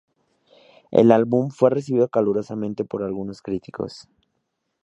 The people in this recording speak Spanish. El álbum fue recibido calurosamente por algunos críticos.